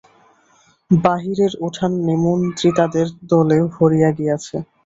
বাহিরের উঠান নিমন্ত্রিতাদের দলে ভরিয়া গিয়াছে।